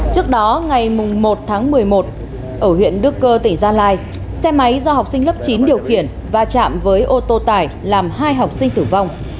trước đó ngày một tháng một mươi một ở huyện đức cơ tỉnh gia lai xe máy do học sinh lớp chín điều khiển và chạm với ô tô tải làm hai học sinh tử vong